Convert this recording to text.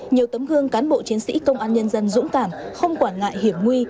nhiều tấm gương cán bộ chiến sĩ công an nhân dân dũng cảm không quản ngại hiểm nguy